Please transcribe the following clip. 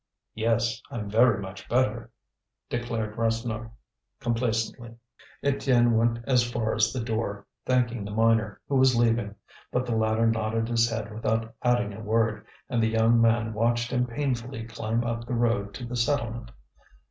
"Yes, I'm very much better," declared Rasseneur, complacently. Étienne went as far as the door, thanking the miner, who was leaving; but the latter nodded his head without adding a word, and the young man watched him painfully climb up the road to the settlement.